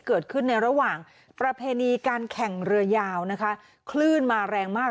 เกิดขึ้นในระหว่างประเพณีการแข่งเรือยาวนะคะคลื่นมาแรงมาก